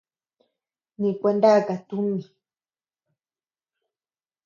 Nikua naka tumi.